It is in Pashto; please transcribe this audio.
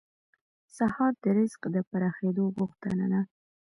سهار د رزق د پراخېدو غوښتنه ده.